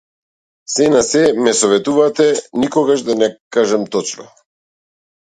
Сѐ на сѐ, ме советувате никогаш да не кажам точно?